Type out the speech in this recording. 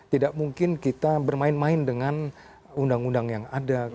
tidak mungkin kita bermain main dengan undang undang yang ada